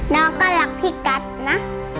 น้องก็รักพี่กัดนะ